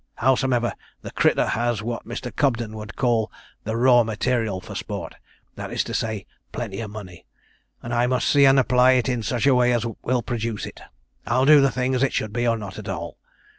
Howsomever the crittur has what Mr. Cobden would call the "raw material" for sport that is to say, plenty of money and I must see and apply it in such a way as will produce it. I'll do the thing as it should be, or not at all.